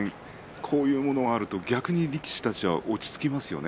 こういうものがあると逆に力士たちは落ち着きますよね。